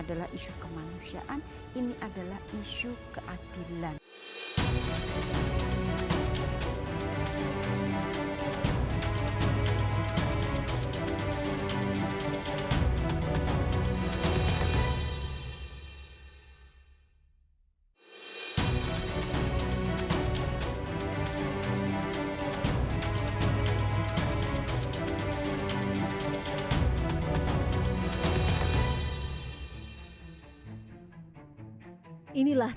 di dalam pellerumkim dan baru hadir yang mereka sajikan